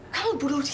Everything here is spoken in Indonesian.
kamu bunuh dia